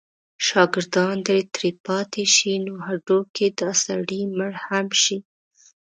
شاګردان ترې پاتې شي نو هډو که دا سړی مړ هم شي.